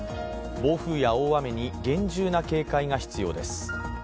暴風や大雨に厳重な警戒が必要です。